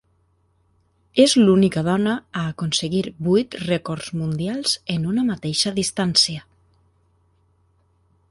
És l'única dona a aconseguir vuit rècords mundials en una mateixa distància.